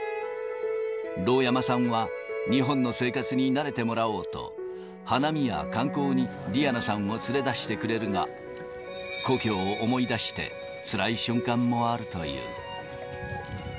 盧山さんは日本の生活に慣れてもらおうと、花見や観光にディアナさんを連れ出してくれるが、故郷を思い出して、つらい瞬間もあるという。